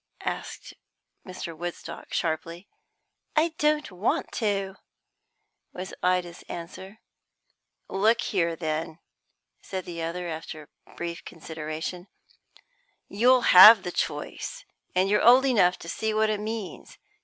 asked Mr. Woodstock sharply. "I don't want to," was Ida's answer. "Look here, then," said the other, after a brief consideration. "You have the choice, and you're old enough to see what it means.